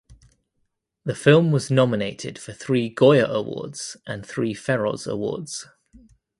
The film was nominated for three Goya Awards and three Feroz Awards.